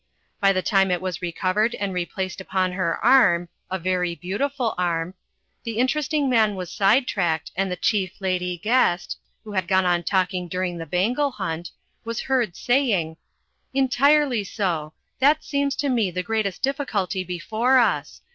By the time it was recovered and replaced upon her arm (a very beautiful arm), the Interesting Man was side tracked and the Chief Lady Guest, who had gone on talking during the bangle hunt, was heard saying: "Entirely so. That seems to me the greatest difficulty before us.